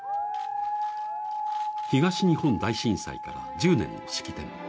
東日本大震災から１０年の式典。